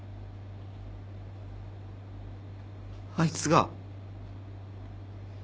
あいつが。